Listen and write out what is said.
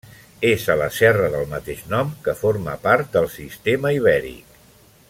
És a la serra del mateix nom, que forma part del Sistema Ibèric.